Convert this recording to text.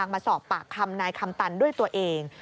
มาสอบปากคำนายคำตันด้วยตัวเอง